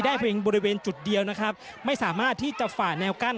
เพียงบริเวณจุดเดียวนะครับไม่สามารถที่จะฝ่าแนวกั้น